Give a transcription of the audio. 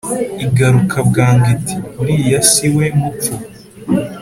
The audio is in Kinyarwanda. igaruka bwangu iti «uriya siwe mupfu